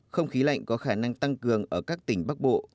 không khí lạnh có khả năng tăng cường ở các tỉnh bắc bộ